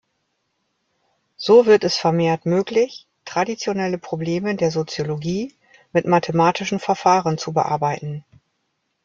So wird es vermehrt möglich, traditionelle Probleme der Soziologie mit mathematischen Verfahren zu bearbeiten.